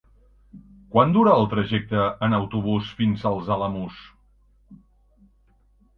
Quant dura el trajecte en autobús fins als Alamús?